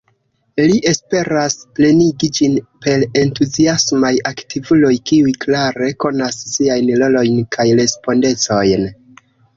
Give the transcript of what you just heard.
Li esperas plenigi ĝin per entuziasmaj aktivuloj, kiuj klare konas siajn rolojn kaj respondecojn.